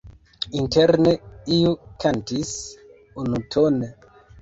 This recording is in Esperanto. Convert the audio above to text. Interne iu kantis unutone.